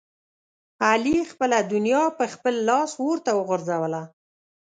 علي خپله دنیا په خپل لاس اورته وغورځوله.